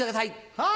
はい！